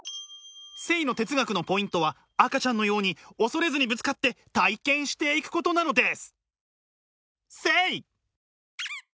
生の哲学のポイントは赤ちゃんのように恐れずにぶつかって体験していくことなのです！